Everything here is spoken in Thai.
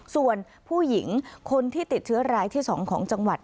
ส่วนผู้หญิงคนที่ติดเชื้อรายที่๒ของจังหวัด